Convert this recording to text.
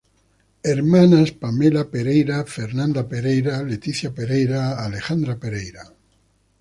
Hermanas Pamela Pereira Fernanda Pereira Leticia Pereira Alejandra pereira